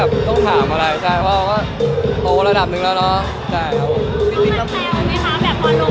ศังทางสอบเข้าก็ล่อศักดิ์ที่เลิก